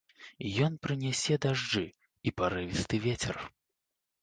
Ён прынясе дажджы і парывісты вецер.